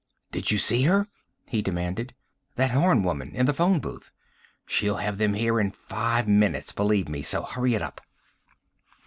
"Did you see her?" he demanded. "That Horn woman, in the phone booth? She'll have them here in five minutes, believe me, so hurry it up!"